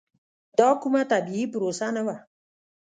دا کومه طبیعي پروسه نه وه.